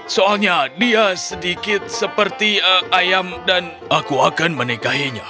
soalnya dia sedikit seperti ayam dan aku akan menikahinya